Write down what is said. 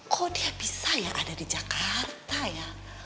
kok dia bisa ya ada di jakarta ya